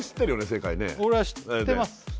正解ね俺は知ってます